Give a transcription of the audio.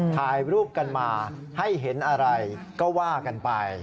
ถ่ายรูปกันมาให้เห็นอะไรก็ว่ากันไป